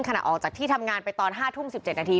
ขณะออกจากที่ทำงานไปตอน๕ทุ่ม๑๗นาที